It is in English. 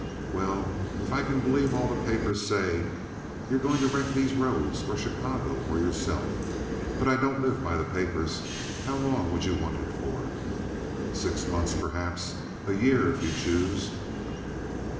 "Well, if I can believe all the papers say, you're going to wreck these roads or Chicago or yourself; but I don't live by the papers. How long would you want it for?" "Six months, perhaps. A year, if you choose."